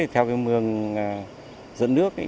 theo mương dẫn nước